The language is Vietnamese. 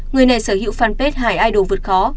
người này sở hữu fanpage hải idol vượt khó